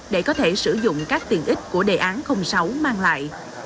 để có thể sử dụng các tiền ích của đề án sáu mang lại